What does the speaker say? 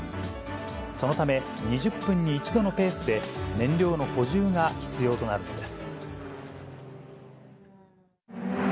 そのため、２０分に１度のペースで燃料の補充が必要となるのです。